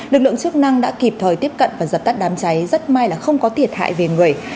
lực lượng chức năng đã kịp thời tiếp cận và dập tắt đám cháy rất may là không có thiệt hại về người